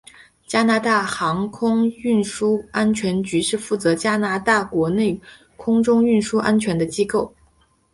加拿大航空运输安全局是负责加拿大国内空中运输安全的机构。